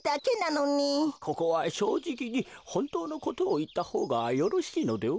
ここはしょうじきにほんとうのことをいったほうがよろしいのでは？